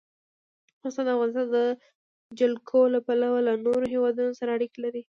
افغانستان د د افغانستان جلکو له پلوه له نورو هېوادونو سره اړیکې لري.